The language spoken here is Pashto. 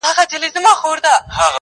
ټولنه د درد ريښه جوړوي تل,